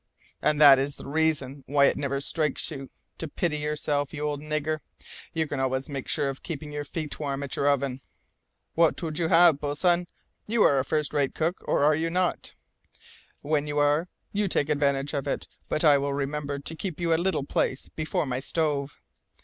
"And that is the reason why it never strikes you to pity yourself, you old nigger! You can always make sure of keeping your feet warm at your oven!" "What would you have, boatswain? You are a first rate cook, or you are not. When you are, you take advantage of it; but I will remember to keep you a little place before my stove."